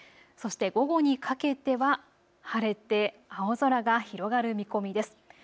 そして午後にかけては晴れて青空が広がる見込みです。